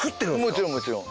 もちろんもちろん。